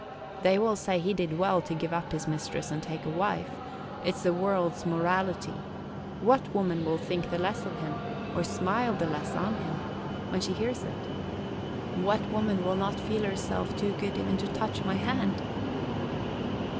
They will say he did well to give up his mistress and take a wife; it 's the world's morality. What woman will think the less of him, or smile the less on him, when she hears it? What woman will not feel herself too good even to touch my hand?"